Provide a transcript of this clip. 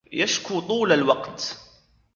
يشكو طول الوقت.